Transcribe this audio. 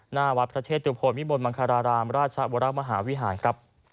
หน้าวัดประเทศตุพรมวิมลมังคารารามราชวรรภ์มหาวิหาร